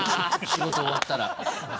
仕事終わったら。